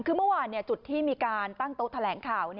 คือเมื่อวานจุดที่มีการตั้งโต๊ะแถลงข่าว